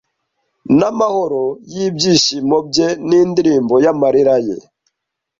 n'amahoro y'ibyishimo bye n'indirimbo y'amarira ye